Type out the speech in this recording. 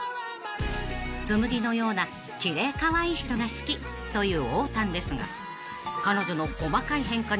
［紬のようなキレイカワイイ人が好きというおーたんですが］